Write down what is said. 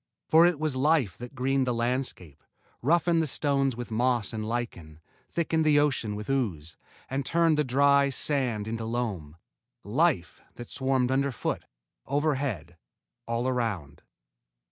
For it was life that greened the landscape, roughened the stones with moss and lichen, thickened the ocean with ooze, and turned the dry sand into loam life that swarmed underfoot, overhead, all around!